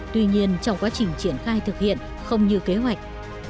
tuy nhiên trong quá trình triển khai thực hiện không như kế hoạch